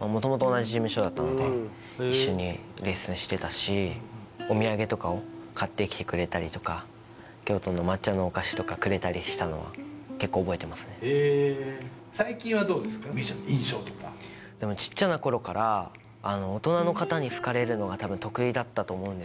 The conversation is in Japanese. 元々同じ事務所だったので一緒にレッスンしてたしお土産とかを買ってきてくれたりとか京都の抹茶のお菓子とかくれたりしたのは結構覚えてますねへえでもちっちゃな頃から大人の方に好かれるのがたぶん得意だったと思うんです